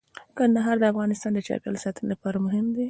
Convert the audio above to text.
کندهار د افغانستان د چاپیریال ساتنې لپاره مهم دي.